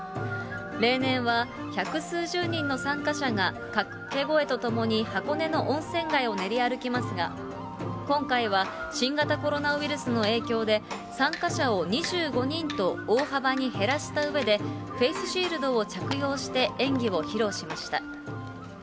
例年は百数十人の参加者が掛け声とともに箱根の温泉街を練り歩きますが、今回は新型コロナウイルスの影響で、参加者を２５人と大幅に減らしたうえで、フェースシールドを着用して演技を披露しました。